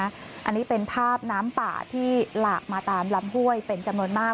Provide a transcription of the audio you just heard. อันนี้เป็นภาพน้ำป่าที่หลากมาตามลำห้วยเป็นจำนวนมาก